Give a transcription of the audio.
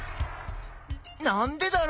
なんでだろう？